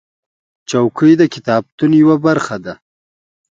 چوکۍ د کتابتون یوه برخه ده.